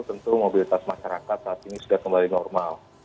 tentu mobilitas masyarakat saat ini sudah kembali normal